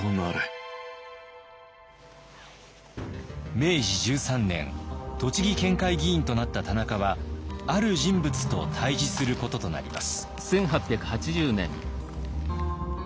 明治１３年栃木県会議員となった田中はある人物と対じすることとなります。